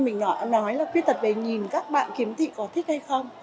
thế nhưng liệu rằng là khi mình nói là quyết tật về nhìn các bạn kiếm thị có thích hay không